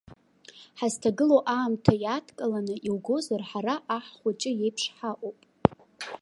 Ҳазҭагылоу аамҭа иадкыланы иугозар, ҳара аҳ-хәыҷы иеиԥш ҳаҟоуп.